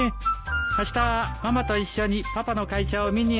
あしたママと一緒にパパの会社を見においで。